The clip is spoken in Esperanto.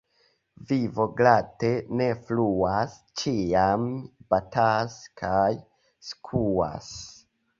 Vivo glate ne fluas, ĉiam batas kaj skuas.